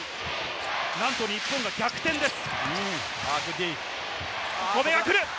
なんと日本が逆転です！